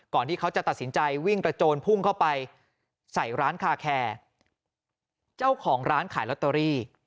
ที่เขาจะตัดสินใจวิ่งกระโจนพุ่งเข้าไปใส่ร้านคาแคร์เจ้าของร้านขายลอตเตอรี่